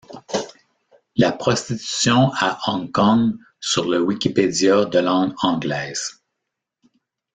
La prostitution à Hong Kong sur le Wikipédia de langue anglaise.